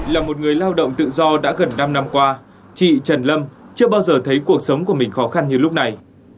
là một người lao động tự do đã gần năm năm qua chị trần lâm chưa bao giờ thấy cuộc sống của mình khó khăn như lúc này